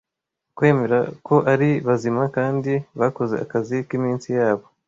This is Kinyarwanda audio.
Kwemera ko ari bazima kandi bakoze akazi k'iminsi yabo,